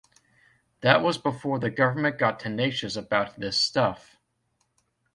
That was before the government got tenacious about this stuff.